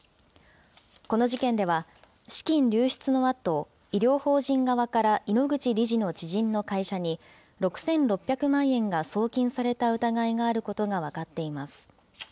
この事件では、資金流出のあと、医療法人側から井ノ口理事の知人の会社に、６６００万円が送金された疑いがあることが分かっています。